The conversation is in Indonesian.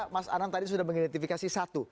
mas anan tadi sudah mengidentifikasi satu